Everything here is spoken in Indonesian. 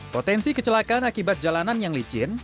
potensi kecelakaan akibat jalanan yang licin